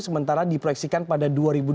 sementara diproyeksikan pada dua ribu dua puluh